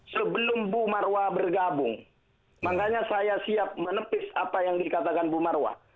sebelum bu marwa bergabung makanya saya siap menepis apa yang dikatakan bu marwah